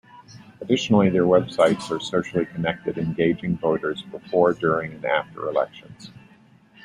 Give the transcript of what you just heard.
Additionally, their websites are socially connected, engaging voters before, during, and after elections.